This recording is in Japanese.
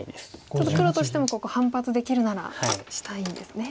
ちょっと黒としてもここ反発できるならしたいんですね。